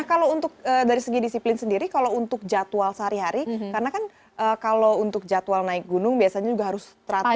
nah kalau untuk dari segi disiplin sendiri kalau untuk jadwal sehari hari karena kan kalau untuk jadwal naik gunung biasanya juga harus teratur